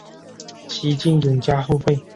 西晋永嘉后废。